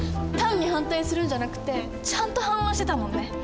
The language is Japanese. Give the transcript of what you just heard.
単に反対するんじゃなくてちゃんと反論してたもんね。